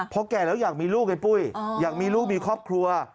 พอแก่แล้วอยากมีลูกไงปุ้ยอยากมีลูกมีครอบครัว